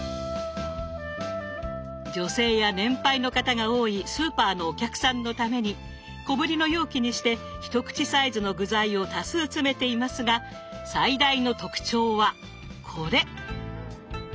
女性や年配の方が多いスーパーのお客さんのために小ぶりの容器にして一口サイズの具材を多数詰めていますが最大の特徴はこれ！